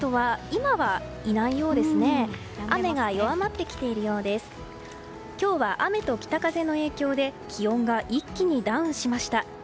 今日は雨と北風の影響で気温が一気にダウンしました。